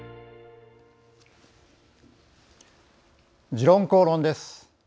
「時論公論」です。